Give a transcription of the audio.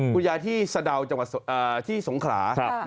คุณยายที่สะดาวจังหวัดที่สงขลา